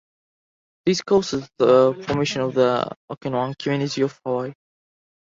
This caused the formation of the Okinawan community of Hawaii.